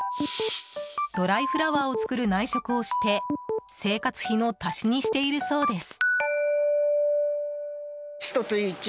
ドライフラワーを作る内職をして生活費の足しにしているそうです。